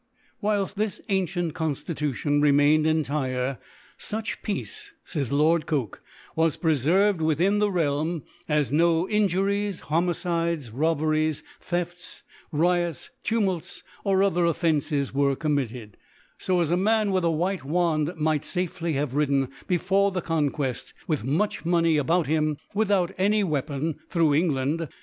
Whilft ( "3 ) Whilft this antient Conllitution re mained entire, ' Such Peace/ fays Lord Caker * was preferved within the Realm, ^ as no Injuries, Homicides, Robtieries, * Thefts, Riots, Tumults, or other Of * fences, were committed ; fo as a Man, * with a white Wand^ might fafely have * ridden, before the Conqueft, with much * Money about him, without any Wea * pon, .through England *.